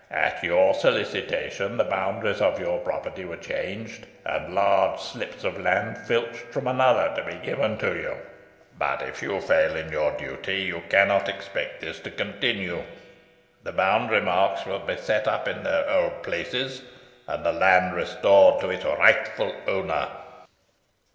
At your solicitation, the boundaries of your property were changed, and large slips of land filched from another, to be given to you. But if you fail in your duty, you cannot expect this to continue. The boundary marks will be set up in their old places, and the land restored to its rightful owner."